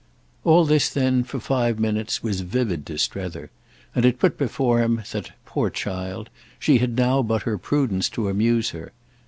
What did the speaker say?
All this then, for five minutes, was vivid to Strether, and it put before him that, poor child, she had now but her prudence to amuse her.